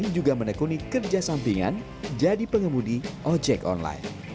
juga menekuni kerja sampingan jadi pengemudi ojek online